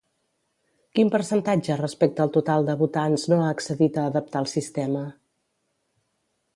Quin percentatge respecte al total de votants no ha accedit a adaptar el sistema?